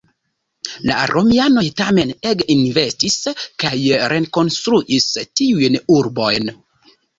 La Romianoj tamen ege investis, kaj rekonstruis tiujn urbojn.